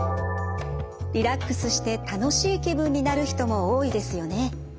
リラックスして楽しい気分になる人も多いですよね。